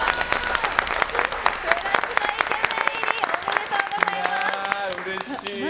プラチナイケメン入りおめでとうございます！